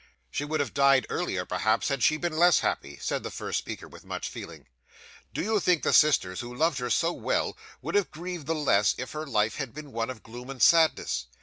'She would have died earlier, perhaps, had she been less happy,' said the first speaker, with much feeling. 'Do you think the sisters who loved her so well, would have grieved the less if her life had been one of gloom and sadness?